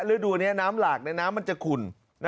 ฤดูอันนี้น้ำหลากในน้ำมันจะขุ่น